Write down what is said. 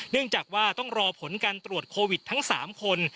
เนื่องจากว่าต้องรอผลการตรวจโควิดทั้ง๓คน